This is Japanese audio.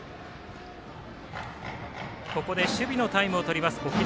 ここで守備のタイムをとります。